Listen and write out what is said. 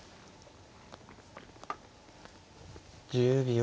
１０秒。